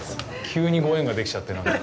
急にご縁ができちゃって、なんか。